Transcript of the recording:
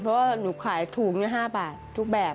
เพราะฉันนแล้วขายถุงนี่๕บาททุกแบบ